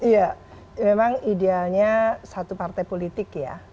ya memang idealnya satu partai politik ya